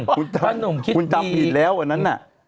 คุณจำผิดแล้วอันนั้นน่ะ